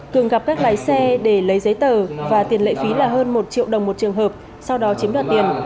cường gặp các lái xe để lấy giấy tờ và tiền lệ phí là hơn một triệu đồng một trường hợp sau đó chiếm đoạt tiền